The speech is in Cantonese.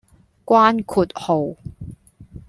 關括號